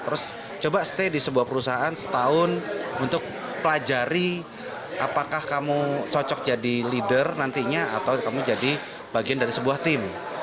terus coba stay di sebuah perusahaan setahun untuk pelajari apakah kamu cocok jadi leader nantinya atau kamu jadi bagian dari sebuah tim